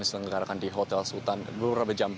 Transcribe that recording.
diselenggarakan di hotel sultan beberapa jam